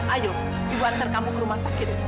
ayo ibu antar kamu ke rumah sakit